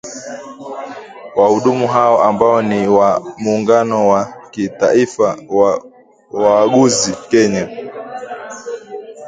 Wahudumu hao ambao ni wa muungano wa kitaifa wa wauguzi Kenya